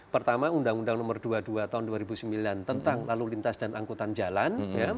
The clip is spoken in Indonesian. pertama undang undang nomor dua puluh dua tahun dua ribu sembilan tentang lalu lintas dan angkutan jalan